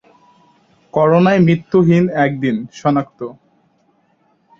করোনায় মৃত্যুহীন এক দিন, শনাক্ত